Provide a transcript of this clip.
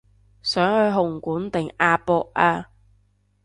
想去紅館定亞博啊